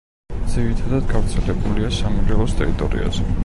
ძირითადად გავრცელებულია სამეგრელოს ტერიტორიაზე.